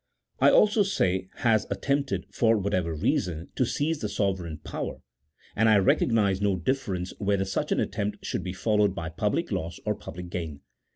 I also say, has attempted, for whatever reason, to seize the sovereign power, and I recognize no difference whether such an attempt should be followed by public loss or public gain.